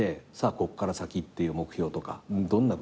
ここから先っていう目標とかどんなふうに思ってる？